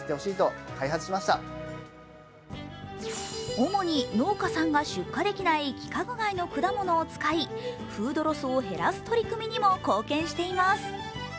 主に農家さんが出荷できない規格外の果物を使いフードロスを減らす取り組みにも貢献しています。